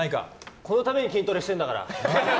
このため筋トレしてるんだから。